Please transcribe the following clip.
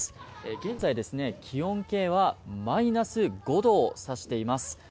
現在、気温計はマイナス５度を指しています。